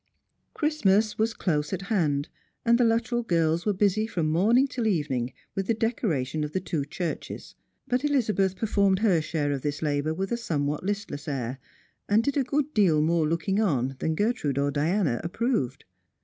Christmas was close at hand, and the LuttreU girls were busy from morning till evening with the decoration of the two churches; but Eliz:abeth performed her share of this labour with a somewhat listless air, and did a good deal more looking on than Gertrude or Diana approved.